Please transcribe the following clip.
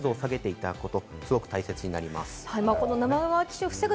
できるだけ湿度を下げていただくことが、すごく大切になります。